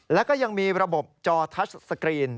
แล้วก็ยังมีระบบจอทัชสกรีน